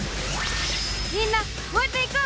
みんな燃えていこう！